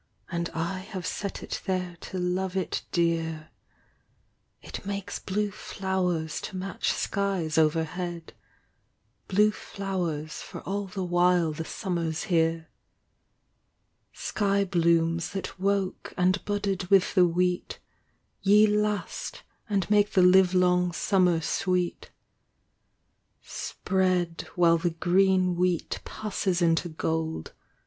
And I have set it there to love it dear ; It makes blue flowers to match skies overhead, Blue flowers for all the while the summer's here. Sky blooms that woke and budded with the wheat, Ye last and make the livelong summer sweet : Spread while the green wheat passes into gold.